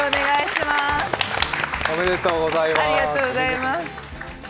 ありがとうございます。